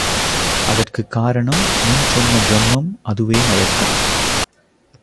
அதற்குக் காரணம் முன் சொன்ன ப்ரமம் அதுவே மயக்கம்.